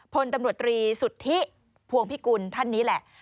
พลตำรวจตรีสุทธิพวงพิกุลท่านนี้แหละ